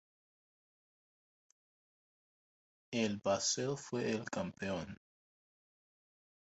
El Basel fue el campeón.